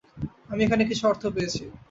আমি এখানে কিছু অর্থ পেয়েছি।